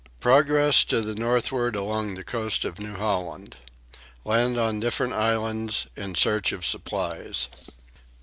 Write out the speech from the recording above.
Progress to the Northward along the Coast of New Holland. Land on different Islands in search of Supplies.